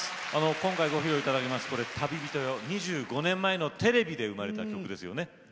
今回ご披露いただく「旅人よ」、２５年前にテレビで生まれた曲ですね。